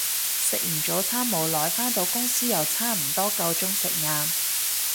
食完早餐冇耐，返到公司又差唔多夠鐘食晏